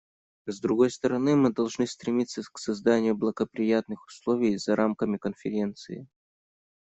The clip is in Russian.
С другой стороны, мы должны стремиться к созданию благоприятных условий за рамками Конференции.